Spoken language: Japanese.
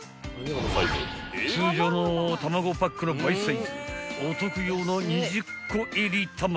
［通常の卵パックの倍サイズお徳用の２０個入り卵］